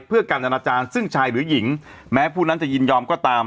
เพื่อการอนาจารย์ซึ่งชายหรือหญิงแม้ผู้นั้นจะยินยอมก็ตาม